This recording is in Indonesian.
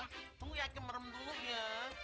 aku yakin merem dulu ya